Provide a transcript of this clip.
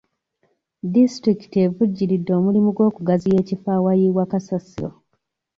Disitulikiti evujjiridde omulimu gw'okugaziya ekifo awayiibwa kasasiro.